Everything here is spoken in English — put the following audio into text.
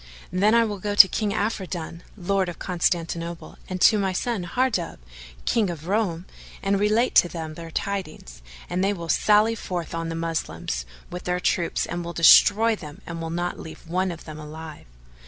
Then will I go to King Afridun, Lord of Constantinople, and to my son Hardub, King of Roum, and relate to them their tidings and they will sally forth on the Moslems with their troops and will destroy them; and will not leave one of them alive."